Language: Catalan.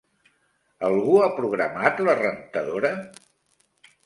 Algú ha programat la rentadora?